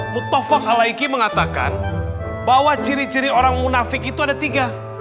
mu'taffaq al laiki mengatakan bahwa ciri ciri orang munafik itu ada tiga